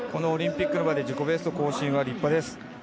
オリンピックの場で自己ベスト更新は立派です。